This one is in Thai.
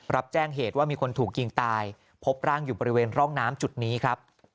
รับแจ้งเหตุว่ามีคนถูกยิงตายพบร่างอยู่บริเวณร่องน้ำจุดนี้ครับ